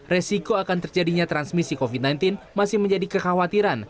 resiko akan terjadinya transmisi covid sembilan belas masih menjadi kekhawatiran